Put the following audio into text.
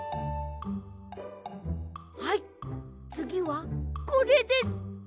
はいつぎはこれです！